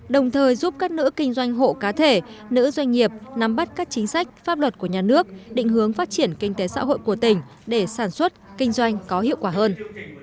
đồng thời giúp các nữ kinh doanh hộ cá thể nữ doanh nghiệp nắm bắt các chính sách pháp luật của nhà nước định hướng phát triển kinh tế xã hội của tỉnh để sản xuất kinh doanh có hiệu quả hơn